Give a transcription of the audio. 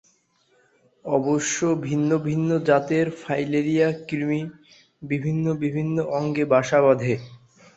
অবশ্য ভিন্ন ভিন্ন জাতের ফাইলেরিয়া-কৃমি ভিন্ন ভিন্ন অঙ্গে বাসা বাঁধে।